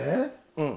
うん。